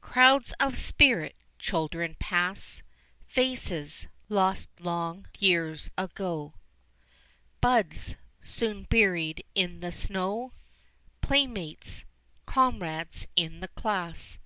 Crowds of spirit children pass, Faces, lost long years ago, Buds, soon buried in the snow, Playmates comrades in the class.